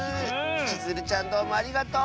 ちづるちゃんどうもありがとう！